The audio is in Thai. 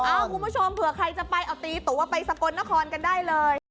คุณผู้ชมเผื่อใครจะไปเอาตีตัวไปสกลนครกันได้เลย